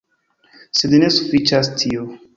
Sed ne sufiĉas tio.